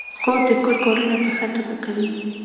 خور د کور کارونه په ښه توګه کوي.